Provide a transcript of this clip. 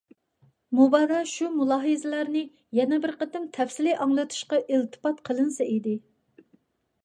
مۇبادا شۇ مۇلاھىزىلەرنى يەنە بىر قېتىم تەپسىلىي ئاڭلىتىشقا ئىلتىپات قىلىنسا ئىدى.